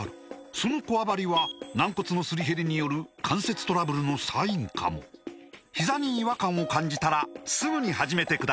そのこわばりは軟骨のすり減りによる関節トラブルのサインかもひざに違和感を感じたらすぐに始めてください